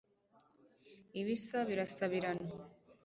ibisa birasabirana